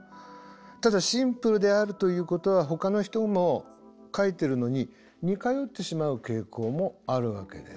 ただシンプルであるということはほかの人も書いてるのに似通ってしまう傾向もあるわけです。